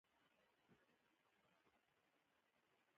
افغانستان د نمک په اړه مشهور تاریخی روایتونه لري.